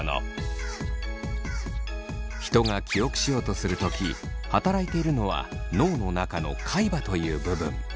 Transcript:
人が記憶しようとする時働いているのは脳の中の海馬という部分。